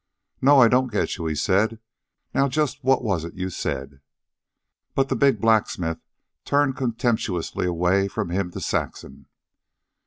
"No, I don't get you," he said. "Now just what was it you said?" But the big blacksmith turned contemptuously away from him to Saxon.